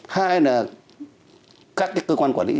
hai là các cơ quan quản lý